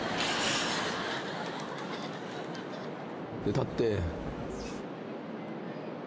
立って。